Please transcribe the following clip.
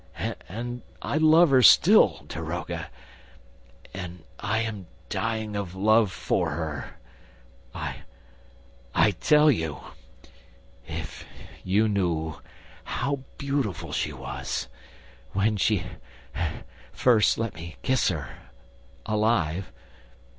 And I love her still ... daroga ... and I am dying of love for her, I ... I tell you! ... If you knew how beautiful she was ... when she let me kiss her ... alive